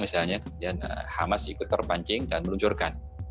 misalnya kemudian hamas ikut terpancing dan meluncurkan